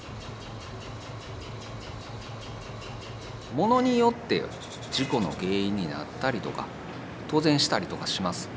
ものによって事故の原因になったりとか当然したりとかします。